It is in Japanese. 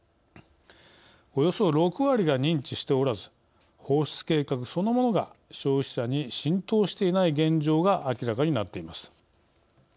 およそ６割が認知しておらず放出計画そのものが消費者に浸透していない現状が明らかになっています。